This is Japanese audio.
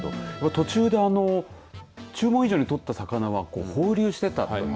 途中で注文以上に取った魚は放流していた。